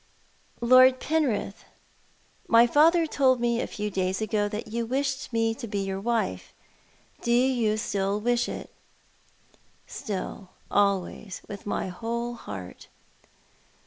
" Lord Penrith, my father told me a few days ago that you wished me to be your wife. Do you still wish it ?" "Still — always — with my whole heart."